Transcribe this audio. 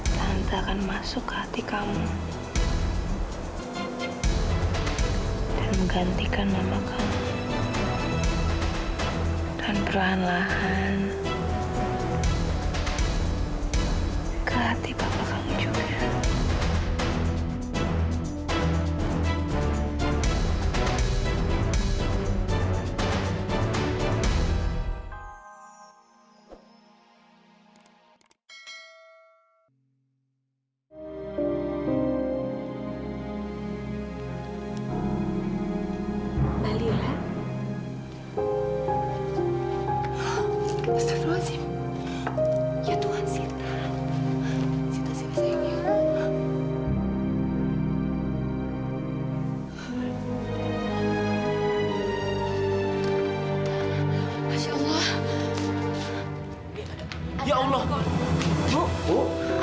sampai jumpa di video selanjutnya